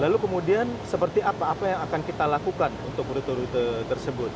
lalu kemudian seperti apa apa yang akan kita lakukan untuk rute rute tersebut